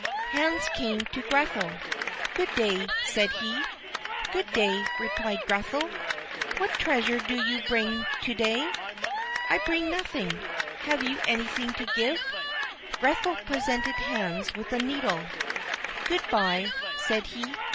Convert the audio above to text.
Hans came to Grethel. "Good day," said he. "Good day," replied Grethel, "what treasure do you bring to day?" "I bring nothing. Have you anything to give?" Grethel presented Hans with a needle. "Good by," said he.